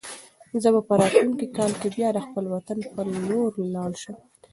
زه به په راتلونکي کال کې بیا د خپل وطن په لور لاړ شم.